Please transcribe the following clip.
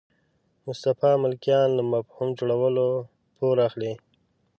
مصطفی ملکیان له مفهوم جوړولو پور اخلي.